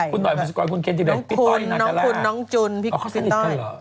คุณหน่อยบุษกรคุณเคนที่เดินพี่ต้อยน้องจุนพี่ต้อย